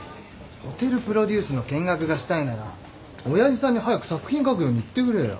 ホテルプロデュースの見学がしたいなら親父さんに早く作品書くように言ってくれよ。